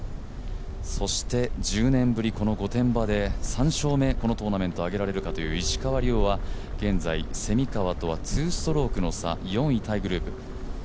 そして１０年ぶり御殿場で３勝目、このトーナメントあげられるかという石川は現在、蝉川とは２ストロークの差、４位タイグループ。